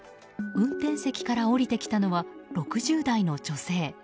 運転席から降りてきたのは６０代の女性。